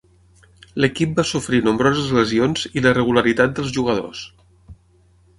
L'equip va sofrir nombroses lesions i la irregularitat dels jugadors.